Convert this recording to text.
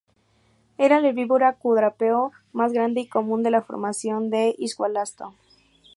Era el herbívoro cuadrúpedo más grande y común de la formación de Ischigualasto.